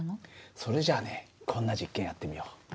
それじゃあねこんな実験やってみよう。